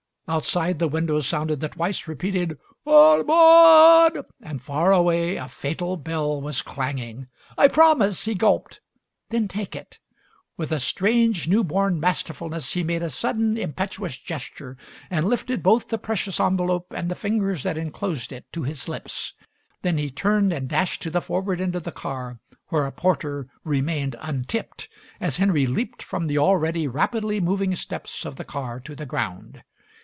Outside the window sounded the twice repeated "Awl aboh oh," and far ahead a fatal bell was clanging. "I promise," he gulped. "Then take it!" With a strange, new born masterfulness he made a sudden impetuous gesture and lifted both the precious envelope and the fingers that inclosed it to his lips. Then he turned and dashed to the forward end of the car where a porter remained untipped as Henry leaped from the already rapidly moving steps of the car to the ground.